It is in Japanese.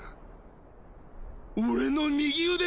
俺の右腕！